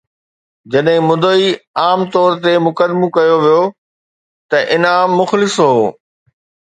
جڏهن مدعي عام طور تي مقدمو ڪيو ويو ته انعام مخلص هو